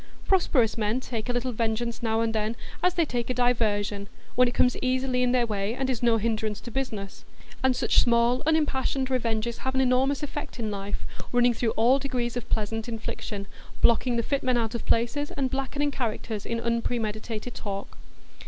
Prosperous men take a little vengeance now and then, as they take a diversion, when it comes easily in their way, and is no hindrance to business; and such small unimpassioned revenges have an enormous effect in life, running through all degrees of pleasant infliction, blocking the fit men out of places, and blackening characters in unpremeditated talk.